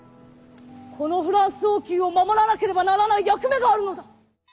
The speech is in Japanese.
このフランス王宮を守らなければならない役目があるのだ。